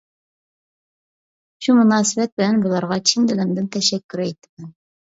شۇ مۇناسىۋەت بىلەن بۇلارغا چىن دىلىمدىن تەشەككۈر ئېيتىمەن.